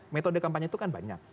metode kampanye itu kan banyak